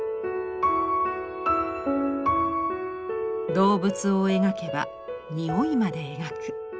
「動物を描けば匂いまで描く」。